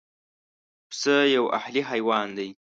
پسه یو اهلي حیوان دی.